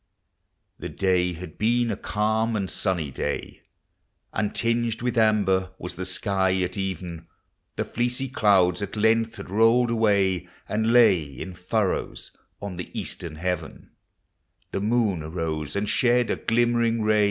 The day had been a calm ami sunny day. And tinged with amber was the sky ;M even; The fleecy clouds at length had rolled away, And lay in furrows on the eastern beavenj The moon arose and shed a glimmering ri>.